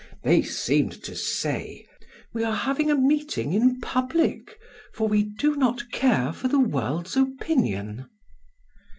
They seemed to say: "We are having a meeting in public, for we do not care for the world's opinion."